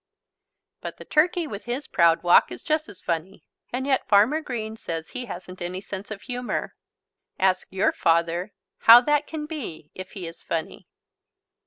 But the turkey with his proud walk is just funny. And yet Farmer Green says he hasn't any sense of humour. Ask your father how that can be if he is funny.